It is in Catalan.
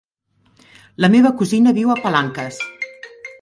La meva cosina viu a Palanques.